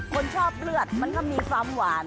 คนชอบเลือดมันก็มีความหวาน